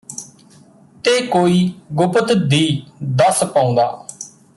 ਤੇ ਕੋਈ ਗੁਪਤ ਦੀ ਦੱਸ ਪਾਉਂਦਾ